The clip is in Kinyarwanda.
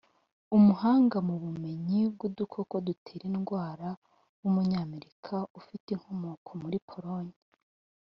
umuhanga mu bumenyi bw’udukoko dutera indwara w’umunyamerika ufite inkomoko muri Pologne